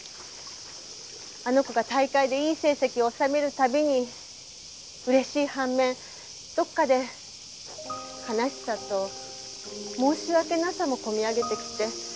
あの子が大会でいい成績を収めるたびに嬉しい反面どこかで悲しさと申し訳なさもこみ上げてきて。